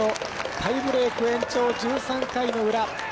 タイブレーク延長１３回の裏。